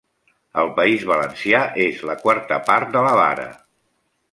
Al País Valencià és la quarta part de la vara.